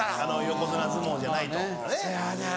横綱相撲じゃないとかね。